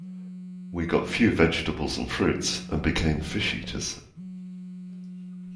We got few vegetables and fruits, and became fish eaters.